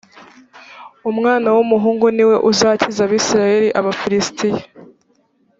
umwana w’ umuhungu ni we uzakiza abisirayeli abafilisitiya